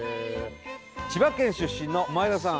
千葉出身の前田さん